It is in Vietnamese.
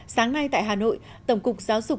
sáng nay tại hà nội tổng cục giáo dục